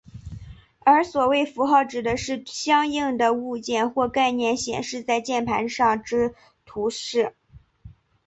而所谓符号指的是相应的物件或概念显示在键盘上之图示。